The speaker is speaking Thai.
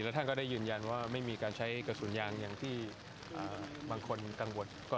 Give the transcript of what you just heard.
ท่านก็ได้ยืนยันว่าไม่มีการใช้กระสุนยางอย่างที่บางคนกังวล